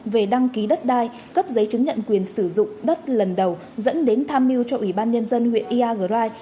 về đăng ký đất đai cấp giấy chứng nhận quyền sử dụng đất lần đầu dẫn đến tham mưu cho ủy ban nhân dân huyện iagrai